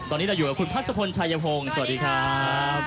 ตอนนี้เราอยู่กับคุณพัชพลชายพงศ์สวัสดีครับ